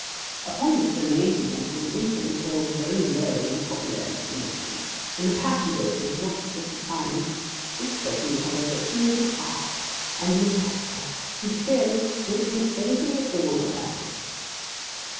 Upon this the lazy gentleman instantly falls very low in the popular estimation, and the passengers, with looks of defiance, whisper to each other that he is an ass, and an impostor, and clearly don't know anything at all about it.